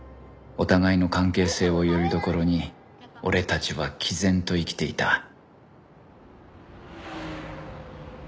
お互いの関係性をよりどころに俺たちは毅然と生きていた